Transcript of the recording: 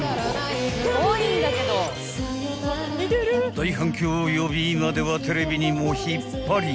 ［大反響を呼び今ではテレビにも引っ張りだこ］